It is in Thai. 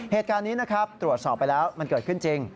เหตุการณ์นี้นะครับตรวจสอบไปแล้วมันเกิดขึ้นจริง